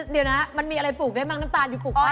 เดี๋ยวนะมันมีอะไรปลูกได้มั้งน้ำตาลอยู่ปลูกไว้